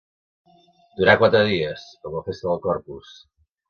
Durar quatre dies, com la festa del Corpus.